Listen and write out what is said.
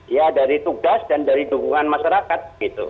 iya dari tugas dan dari dukungan masyarakat